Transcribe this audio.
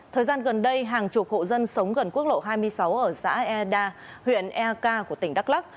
thời gian gần đây hàng chục hộ dân sống gần quốc lộ hai mươi sáu ở xã e đa huyện e k của tỉnh đắk lắk